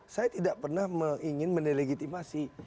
saya tidak pernah ingin mendelegitimasi